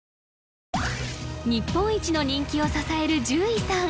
日本一の人気を支える獣医さん